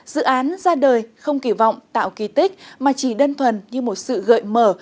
dự án ra đời không kỳ vọng tạo kỳ tích mà chỉ đơn thuần như một sự gợi mở